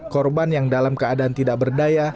korban yang dalam keadaan tidak berdaya